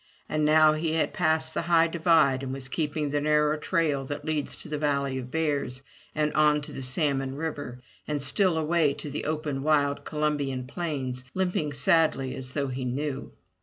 And now he had passed the high divide and was keeping the narrow trail that leads to the valley of bears and on to Salmon River, and still away to the open wild Columbian Plains, limping sadly as though he knew.